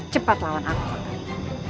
cepat lawan aku pak geli